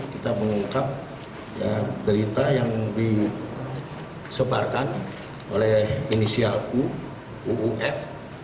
kita mengungkap berita yang disebarkan oleh inisial u uuf